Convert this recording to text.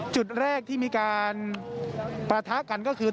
จุดแรกที่มีการปะทะกันก็คือ